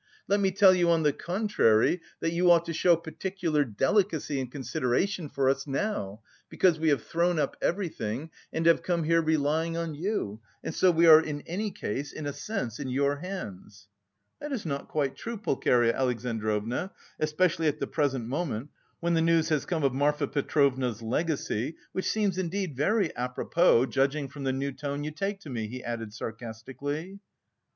Let me tell you on the contrary that you ought to show particular delicacy and consideration for us now, because we have thrown up everything, and have come here relying on you, and so we are in any case in a sense in your hands." "That is not quite true, Pulcheria Alexandrovna, especially at the present moment, when the news has come of Marfa Petrovna's legacy, which seems indeed very apropos, judging from the new tone you take to me," he added sarcastically.